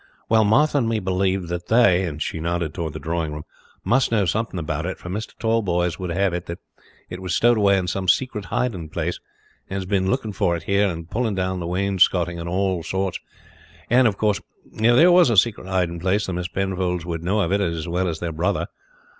"Well, Martha and me believed that they," and she nodded toward the drawing room, "must know something about it; for Mr. Tallboys would have it that it was stowed away in some secret hiding place, and has been looking for it here and pulling down the wainscotting and all sorts. And, of course, if there was a secret hiding place the Miss Penfolds would know of it as well as their brother.